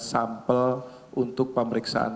sampel untuk pemeriksaan